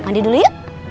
mandi dulu yuk